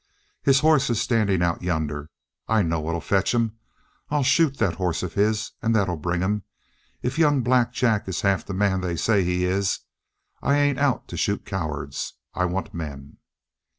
His hoss is standing out yonder. I know what'll fetch him. I'll shoot that hoss of his, and that'll bring him if young Black Jack is half the man they say he is! I ain't out to shoot cowards I want men!"